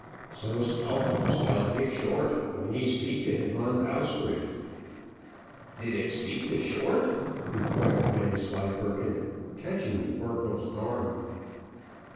"So Smallbones tell Dick Short, when he speak to him on bowsprit." "Did it speak to Short?" inquired Vanslyperken, catching the corporal's arm.